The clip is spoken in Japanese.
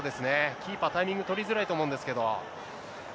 キーパー、タイミング取りづらいと思うんですけど。